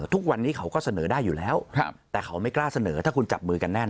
ทุกวันนี้เขาก็เสนอได้อยู่แล้วแต่เขาไม่กล้าเสนอถ้าคุณจับมือกันแน่น